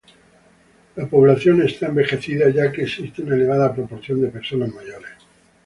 La población está envejecida, ya que existe una elevada proporción de personas mayores.